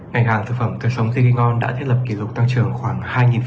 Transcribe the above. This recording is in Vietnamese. ngành hàng thực phẩm tươi sống tiki ngon đã thiết lập kỷ lục tăng trưởng